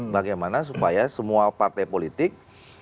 bagaimana supaya semua partai politik